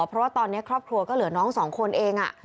เพราะว่าตอนนี้ครอบครัวก็เหลือน้องสองคนเอง